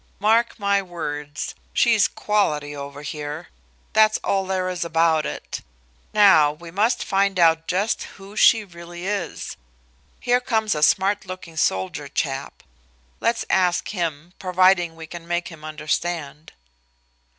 Mark my words, she's quality over here; that's all there is about it. Now, we must find out just who she really is. Here comes a smart looking soldier chap. Let's ask him, providing we can make him understand."